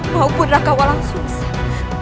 maupun raka walang sungsang